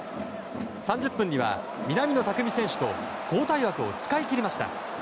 ３０分には南野拓実選手と交代枠を使い切りました。